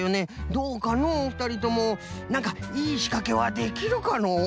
どうかのうふたりともなんかいいしかけはできるかのう？